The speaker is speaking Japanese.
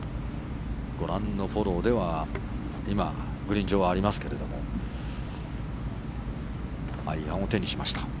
ご覧のフォローでは今、グリーン上ありますけどアイアンを手にしました。